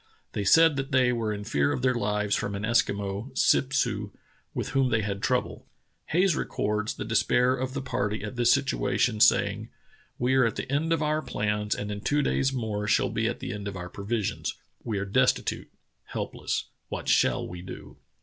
They said that they were in fear of their lives from an Eskimo, Sip su, with whom they had trouble. Hayes records the despair of the party at this situation, saying: "We are at the end of our plans and in two days more shall be The Angekok Kalutunah 131 at the end of our provisions. We are destitute — help less. What shall we do?"